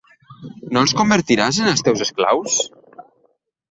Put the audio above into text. No els convertiràs en els teus esclaus?